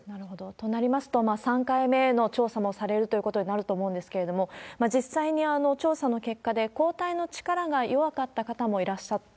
となりますと、３回目の調査もされるということになると思うんですけれども、実際に調査の結果で抗体の力が弱かった方もいらっしゃった。